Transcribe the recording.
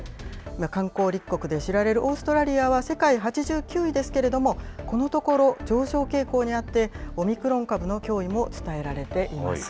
観光立国で知られるオーストラリアは世界８９位ですけれども、このところ上昇傾向にあって、オミクロン株の脅威も伝えられています。